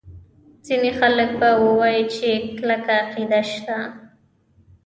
ځیني خلک به ووایي چې کلکه عقیده شته.